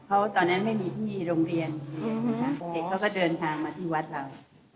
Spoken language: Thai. เขาตอนนั้นไม่มีที่โรงเรียนเด็กเขาก็เดินทางมาที่วัดเรา